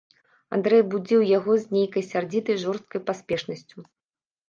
Андрэй будзіў яго з нейкай сярдзітай жорсткай паспешнасцю.